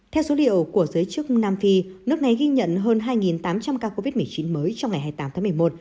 theo số liệu của giới chức nam phi nước này ghi nhận hơn hai tám trăm linh ca covid một mươi chín mới trong ngày hai mươi tám tháng một mươi một